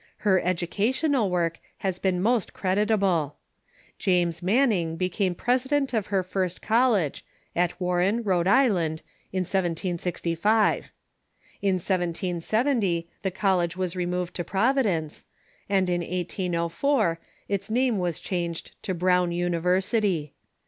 Her educational work has been most creditable. James Manning became president of her first college, at Warren, Rhode Island, in 1705. In 1770 the college was removed to Providence, and in 1804 its name was changed to Brown University.